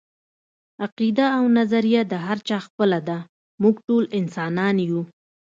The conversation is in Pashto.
عقیده او نظريه د هر چا خپله ده، موږ ټول انسانان يو